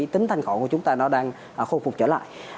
tính thanh khổ của chúng ta nó đang khôi phục trở lại